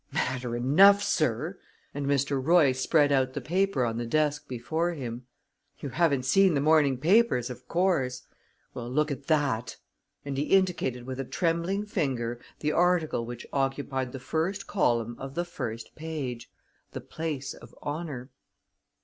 "Matter enough, sir!" and Mr. Royce spread out the paper on the desk before him. "You haven't seen the morning papers, of course; well, look at that!" and he indicated with a trembling finger the article which occupied the first column of the first page the place of honor.